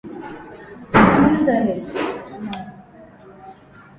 mri wa kupewa kiinua mgongo kutoka miaka sitini